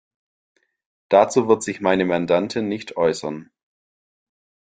Dazu wird sich meine Mandantin nicht äußern.